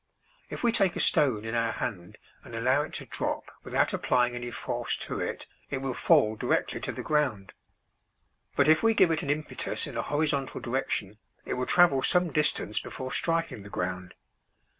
If we take a stone in our hand and allow it to drop without applying any force to it, it will fall directly to the ground. But if we give it an impetus in a horizontal direction it will travel some distance before striking the ground.